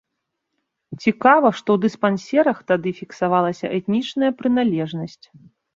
Цікава, што ў дыспансерах тады фіксавалася этнічная прыналежнасць.